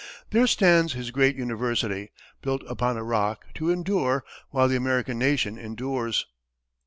There stands his great university, built upon a rock, to endure while the American nation endures."